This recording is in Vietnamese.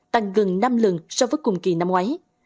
tăng gần năm lần so với cùng kỳ năm ngoái